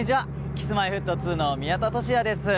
Ｋｉｓ−Ｍｙ−Ｆｔ２の宮田俊哉です。